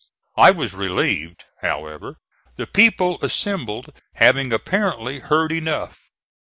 I was relieved, however, the people assembled having apparently heard enough.